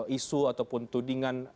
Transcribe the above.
isu ataupun tudingan